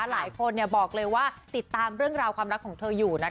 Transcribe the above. หลายคนบอกเลยว่าติดตามเรื่องราวความรักของเธออยู่นะคะ